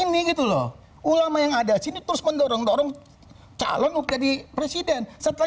ini gitu loh ulama yang ada sini terus mendorong dorong calon jadi presiden setelah